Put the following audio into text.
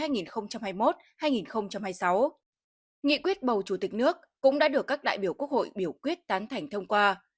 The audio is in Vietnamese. nghị quyết bầu chủ tịch nước cũng đã được các đại biểu quốc hội biểu quyết tán thành thông qua